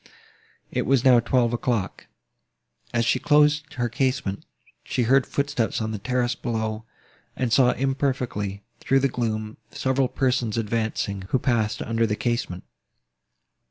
It was now twelve o'clock. As she closed her casement, she heard footsteps on the terrace below, and saw imperfectly, through the gloom, several persons advancing, who passed under the casement.